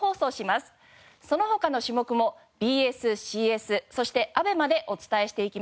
その他の種目もＢＳＣＳそしてＡＢＥＭＡでお伝えしていきます。